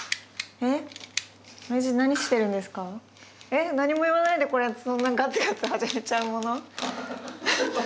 えっ何も言わないでこれそんなガツガツ始めちゃうもの？